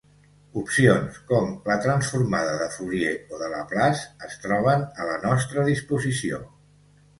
Opcions com la transformada de Fourier o de Laplace es troben a la nostra disposició.